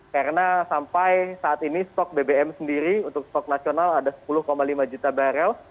karena sampai saat ini stok bbm sendiri untuk stok nasional ada sepuluh lima juta barel